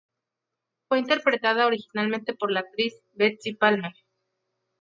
Fue interpretada originalmente por la actriz Betsy Palmer.